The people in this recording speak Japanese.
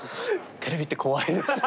テレビって怖いですね。